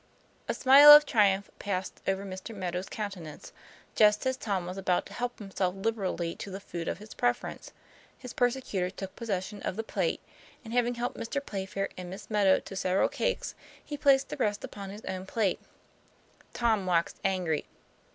A smile of triumph passed over Mr. Meadow's coun tenance; just as Tom was about to help himself lib erally to the food of his preference, his persecutor took possession of the plate, and having helped Mr. Playfair and Miss Meadow to several cakes, he placed the rest upon his own plate. Tom waxed angry.